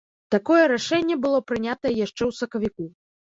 Такое рашэнне было прынятае яшчэ ў сакавіку.